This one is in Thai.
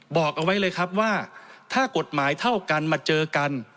บอกเอาไว้เลยครับว่าถ้ากฎหมายเท่ากันมาเจอกัน